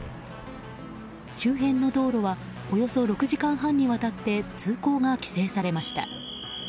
周辺の道路はおよそ６時間半にわたって通行が規制されました。